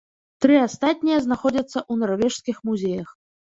Тры астатнія знаходзяцца ў нарвежскіх музеях.